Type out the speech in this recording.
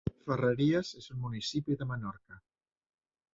Ferreries és un municipi de Menorca.